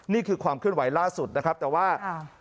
นี่คือความขึ้นไหวล่าสุดนะครับแต่ว่าอ่า